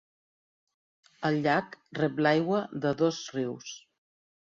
El llac rep l'aigua de dos rius.